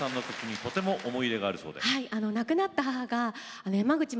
はい。